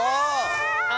あ！